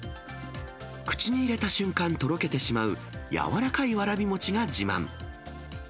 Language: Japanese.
口に入れた瞬間、とろけてしまう、やわらかいわらび餅が自慢。